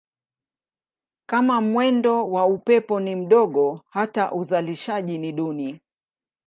Kama mwendo wa upepo ni mdogo hata uzalishaji ni duni.